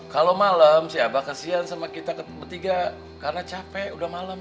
kalau malem si abah kesian sama kita bertiga karena capek udah malem